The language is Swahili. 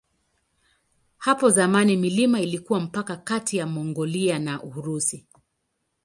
Hapo zamani milima ilikuwa mpaka kati ya Mongolia na Urusi.